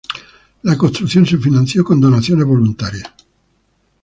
La construcción se financió con donaciones voluntarias.